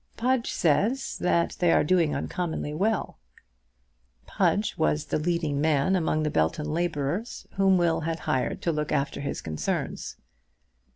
"Pudge says that they are doing uncommonly well." Pudge was a leading man among the Belton labourers, whom Will had hired to look after his concerns.